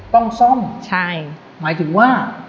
ต้องซ่อมใช่หมายถึงว่า